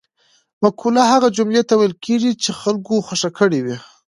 مقوله هغه جملې ته ویل کیږي چې خلکو خوښه کړې وي